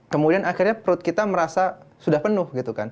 kemudian akhirnya perut kita merasa sudah penuh gitu kan